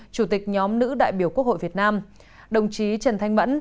chủ tịch nhóm nữ đại biểu quốc hội việt nam đồng chí trần thanh mẫn